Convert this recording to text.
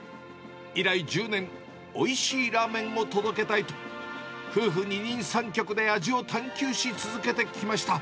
以来１０年、おいしいラーメンを届けたいと、夫婦二人三脚で味を探求し続けてきました。